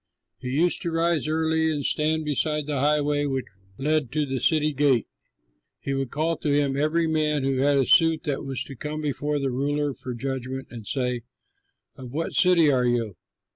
He used to rise early and stand beside the highway which led to the city gate. He would call to him every man who had a suit that was to come before the ruler for judgment and say, "Of what city are you?"